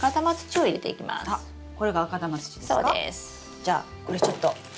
じゃあこれちょっと。